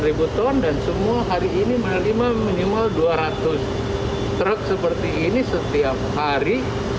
dua ribu ton dan semua hari ini menerima minimal dua ratus truk seperti ini setiap hari